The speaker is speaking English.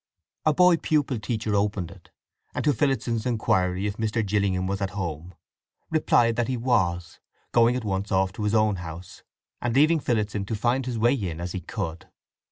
A boy pupil teacher opened it, and to Phillotson's inquiry if Mr. Gillingham was at home, replied that he was, going at once off to his own house, and leaving Phillotson to find his way in as he could.